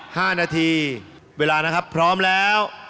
ห้านาทีเวลานะครับพร้อมแล้ว